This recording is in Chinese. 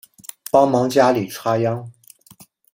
帮忙家里插秧